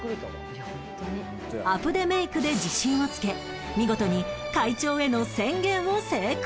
アプデメイクで自信をつけ見事に会長への宣言を成功！